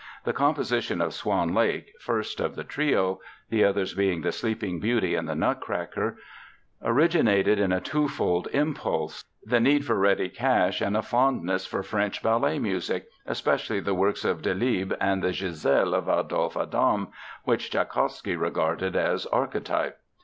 The composition of Swan Lake, first of the trio—the others being The Sleeping Beauty and The Nutcracker—originated in a twofold impulse, the need for ready cash and a fondness for French ballet music, especially the works of Delibes and the Giselle of Adolphe Adam, which Tschaikowsky regarded as archetype.